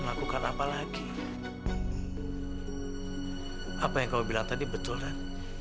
apa yang kamu bilang tadi betul ran